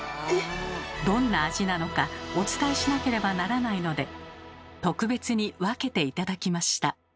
どんな味なのかお伝えしなければならないので特別に分けて頂きました。